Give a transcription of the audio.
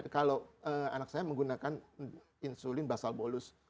kalau anak saya menggunakan insulin basal bolus